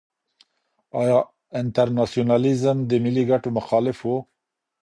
ایا انټرناسيونالېزم د ملي ګټو مخالف و؟